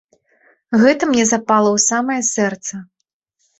Гэта мне запала ў самае сэрца.